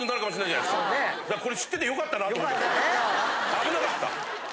危なかった。